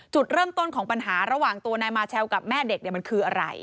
จุดเริ่มต้นของปัญหาระหว่างตัวนายมาเชลกับแม่เด็กมันคืออะไร